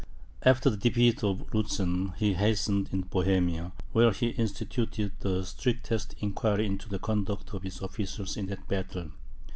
After the defeat of Lutzen he had hastened into Bohemia, where he instituted the strictest inquiry into the conduct of his officers in that battle.